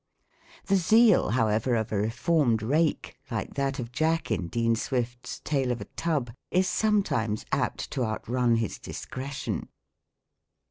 The zeal, however, of a reformed rake, like that of Jack in Dean Swift's "Tale of a Tub," is sometimes apt to outrun his discretion.